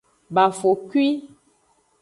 Bafokwi.